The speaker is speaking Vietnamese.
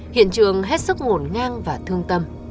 hiện trường hết sức ngổn ngang và thương tâm